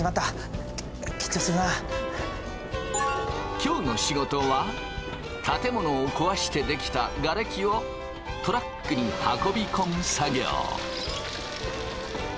今日の仕事は建物をこわして出来たがれきをトラックに運び込む作業。